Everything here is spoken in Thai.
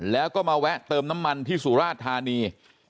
แล้วก็มาแวะเติมน้ำมันที่สุราชธานี